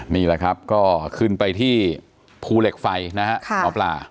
นี่แหละครับก็ขึ้นไปที่ภูเหล็กไฟนะฮะหมอปลา